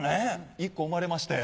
１個生まれまして。